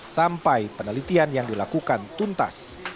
sampai penelitian yang dilakukan tuntas